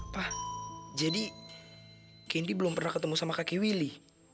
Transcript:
pak jadi candy belum pernah ketemu sama kakek willy